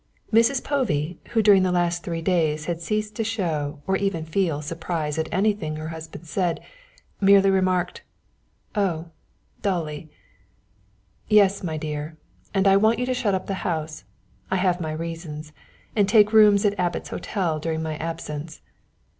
Mrs. Povey, who during the last three days had ceased to show or even feel surprise at anything her husband said, merely remarked, "Oh!" dully. "Yes, my dear, and I want you to shut up the house I have my reasons and take rooms at Abbot's Hotel during my absence."